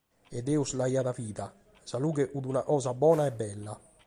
E Deus l’aiat bida: sa lughe fit una cosa bona e bella.